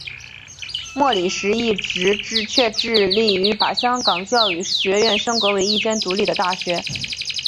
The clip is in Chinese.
莫礼时一直却致力于把香港教育学院升格为一间独立的大学。